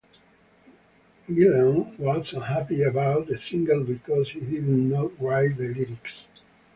Gillan was unhappy about the single because he did not write the lyrics.